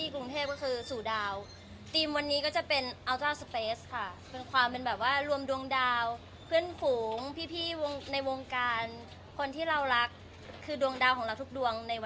ก็เหมือนเดิมนะครับผมว่ามันจะรักกันมากขึ้นมากกว่า